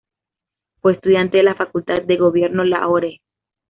Fue estudiante de la Facultad de Gobierno Lahore.